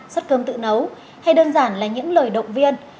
sắt cơm tự nấu hay đơn giản là những lời động viên